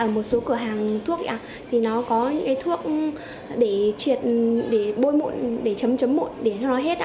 ở một số cửa hàng thuốc ấy ạ thì nó có những cái thuốc để truyệt để bôi mụn để chấm chấm mụn để nó hết ạ